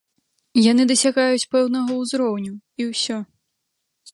Яны дасягаюць пэўнага ўзроўню, і ўсё.